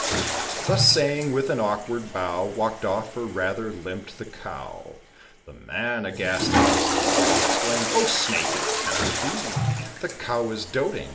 Thus saying, with an awkward bow, Walked off, or rather limped, the Cow. The Man, aghast at this decree, Exclaimed, "O Snake! it cannot be; The Cow is doting.